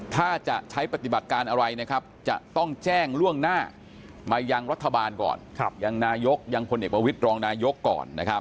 ถ้าจะใช้ปฏิบัติการอะไรจะต้องแจ้งล่วงหน้ามาอย่างรัฐบาลก่อนอย่างนายกอย่างพลเอกประวิทรองนายกก่อน